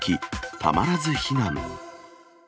たまらず避難。